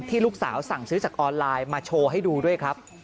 ลูกสาวสั่งซื้อจากออนไลน์มาโชว์ให้ดูด้วยครับ